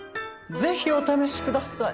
ぜひお試しください。